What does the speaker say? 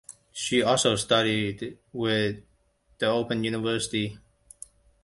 She also studied with the Open University.